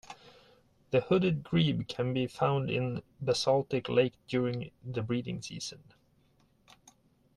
The hooded grebe can be found in basaltic lakes during the breeding season.